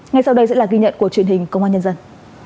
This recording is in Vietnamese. ngay sau đây sẽ là ghi nhận của truyền hình công an nhân dân